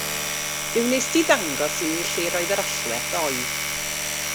Fe wnest ti ddangos i mi lle roedd yr allwedd ddoe.